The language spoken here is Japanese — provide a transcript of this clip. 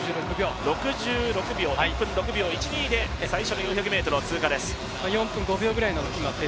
６６秒、１分６秒１２で最初の４００ｍを通過です。